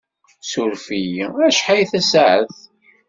Ssuref-iyi, acḥal tasaɛet?